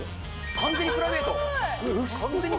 完全にプライベート？